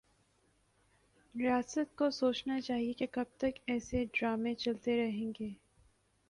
ریاست کو سوچنا چاہیے کہ کب تک ایسے ڈرامے چلتے رہیں گے